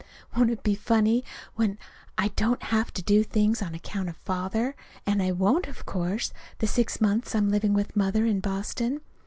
Won't it be funny when I don't have to do things on account of Father? And I won't, of course, the six months I'm living with Mother in Boston.